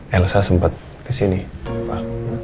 elsa sempat ke sini pak